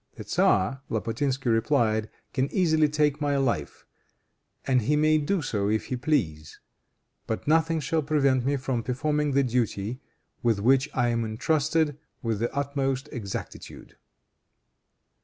"The tzar," Lapotinsky replied, "can easily take my life, and he may do so if he please, but nothing shall prevent me from performing the duty with which I am intrusted, with the utmost exactitude."